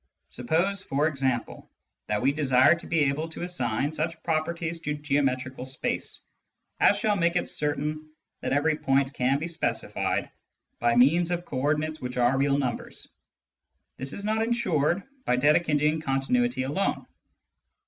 Suppose, for example, that we desire to be able to assign such properties to geometrical space as shall make it certain that every point can be specified by means of co ordinates which are real numbers : this is not insured by Dedekindian continuity alone.